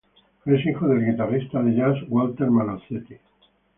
Es hijo del guitarrista de jazz Walter Malosetti.